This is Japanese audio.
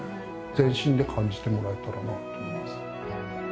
全身で感じてもらえたらなと思います。